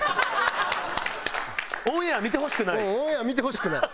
オンエア見てほしくない？